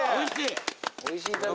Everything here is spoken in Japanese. おいしい。